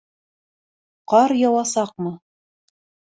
Ҡар яуасаҡмы?